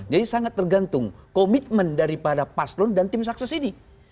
jadi sangat tergantung komitmen daripada paslon dan tim sukses ini